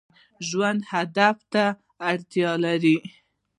ژوند هدف ته اړتیا لري